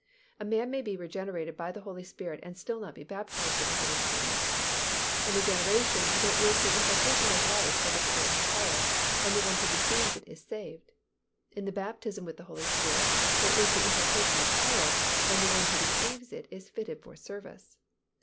A man may be regenerated by the Holy Spirit and still not be baptized with the Holy Spirit. In regeneration, there is the impartation of life by the Spirit's power, and the one who receives it is saved: in the baptism with the Holy Spirit, there is the impartation of power, and the one who receives it is fitted for service.